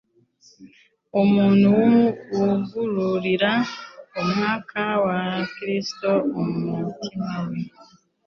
Umuntu wugururira Umwuka wa Kristo umutima we,